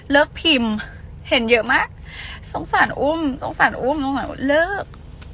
เลิกพิมพ์เห็นเยอะมากสงสารอุ้มสงสารอุ้มสงสารอุ้มเลิก